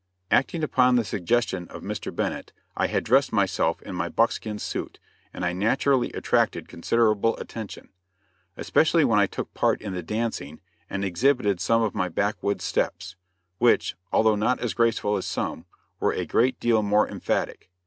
Acting upon the suggestion of Mr. Bennett, I had dressed myself in my buckskin suit, and I naturally attracted considerable attention; especially when I took part in the dancing and exhibited some of my backwoods steps, which, although not as graceful as some, were a great deal more emphatic.